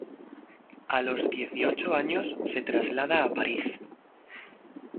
A los dieciocho años se traslada a París.